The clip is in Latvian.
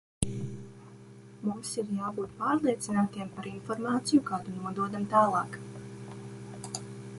Mums ir jābūt pārliecinātiem par informāciju, kādu nododam tālāk.